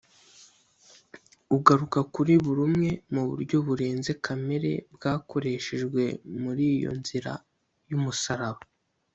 ugaruka kuri bumwe mu buryo burenze kamere bwakoreshejwe muri iyo nzira y'umusaraba